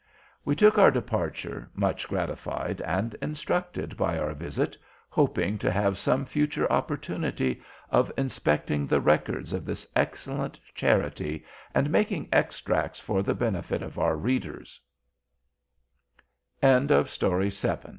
We took our departure, much gratified and instructed by our visit, hoping to have some future opportunity of inspecting the Records of this excellent Charity and making extracts for the benefit of our Readers.